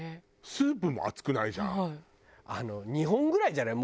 スープも熱くないじゃん。